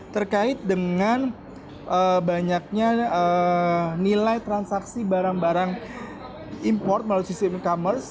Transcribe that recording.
terkait dengan banyaknya nilai transaksi barang barang import melalui sistem e commerce